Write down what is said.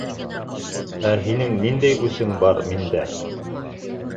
Ә һинең ниндәй үсең бар миндә?!